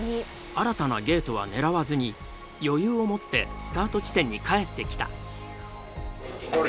新たなゲートは狙わずに余裕を持ってスタート地点に帰ってきた。